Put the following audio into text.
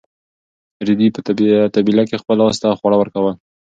رېدي په طبیله کې خپل اس ته خواړه ورکول.